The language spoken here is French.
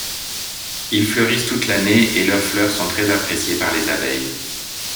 Ils fleurissent toute l'année et leurs fleurs sont très appréciées par les abeilles.